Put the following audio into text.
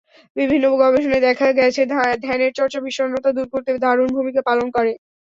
বিভিন্ন গবেষণায় দেখা গেছে, ধ্যানের চর্চা বিষণ্নতা দূর করতে দারুণ ভূমিকা পালন করে।